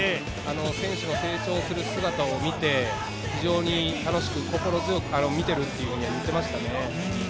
選手の成長する姿を見て非常に楽しく心強く見ているというふうに言っていましたね。